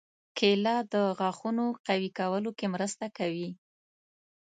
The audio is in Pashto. کېله د غاښونو قوي کولو کې مرسته کوي.